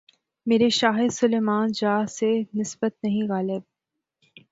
میرے شاہِ سلیماں جاہ سے نسبت نہیں‘ غالبؔ!